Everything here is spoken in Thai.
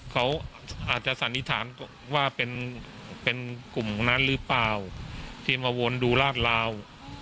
เขาอาจจะสันนิษฐานว่าเป็นกลุ่มนั้นหรือเปล่าที่มาวนดูลาดลาว